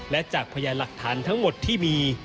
และจากพยานหลักฐานทั้งหมดที่มี